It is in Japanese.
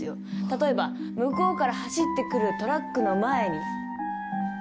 例えば向こうから走ってくるトラックの前に。